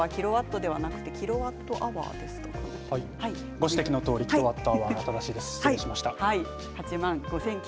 ご指摘のとおりキロワットアワーが正しいです。